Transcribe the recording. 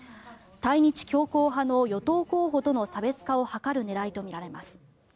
対日強硬派の与党候補との差別化を図る狙いとみられます。